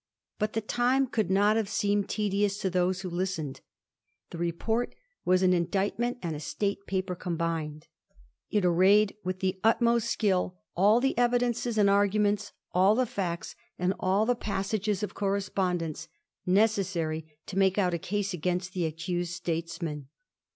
But the time could not have seemed tedious to those who listened. The report was aa indictment and a State paper combined. It arrayed with the utmost skill all the evidences and arguments, all the facts and all the passages of correspondence,, necessary to make out a case against the accused statesmen.